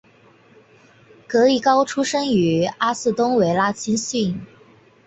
杜利高出身于阿士东维拉青训。